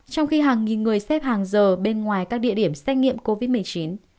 trong khi hàng nghìn người xếp hàng giờ bên ngoài các địa điểm xét nghiệm covid một mươi chín